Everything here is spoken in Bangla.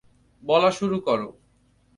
বলা শুরু করো।